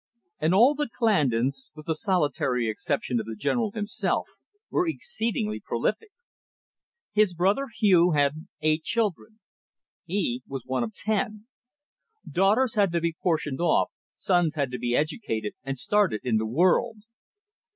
And all the Clandons, with the solitary exception of the General himself, were exceedingly prolific. His brother Hugh had eight children. He was one of ten. Daughters had to be portioned off, sons had to be educated and started in the world.